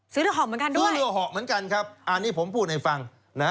ซื้อเหลือเหาะเหมือนกันครับอันนี้ผมพูดในฟัง